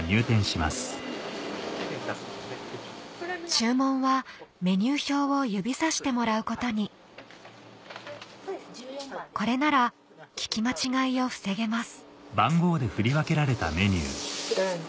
注文はメニュー表を指さしてもらうことにこれなら聞き間違いを防げます